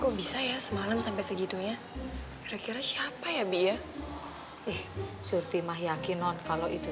kok bisa ya semalam sampai segitunya kira kira siapa ya biya ih surtimah yakin on kalau itu